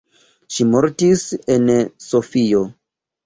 Ŝi mortis en Sofio.